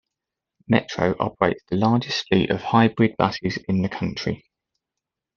Metro operates the largest fleet of hybrid buses in the country.